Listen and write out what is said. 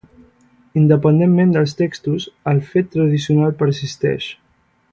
Independentment dels textos, el fet tradicional persisteix.